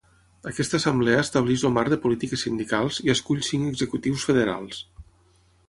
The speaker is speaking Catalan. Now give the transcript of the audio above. Aquesta assemblea estableix el marc de polítiques sindicals i escull cinc executius federals.